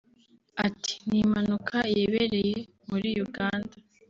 Ati “Ni impanuka yebereye muri Uganda